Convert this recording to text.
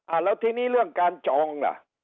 แล้วทีนี้เรื่องการจองล่ะ